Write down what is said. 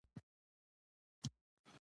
شاه شجاع په کابل کي یوازې پاتې شو.